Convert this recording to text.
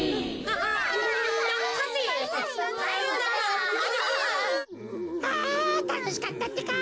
あたのしかったってか！